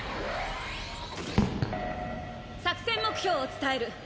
作戦目標を伝える。